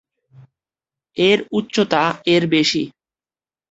এর উচ্চতা এর বেশি।